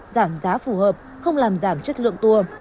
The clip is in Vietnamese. giảm giá phù hợp không làm giảm chất lượng tour